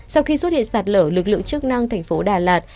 sau khi xuất hiện sạt lở lực lượng chức năng tp đà lạt